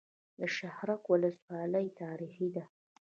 د شهرک ولسوالۍ تاریخي ده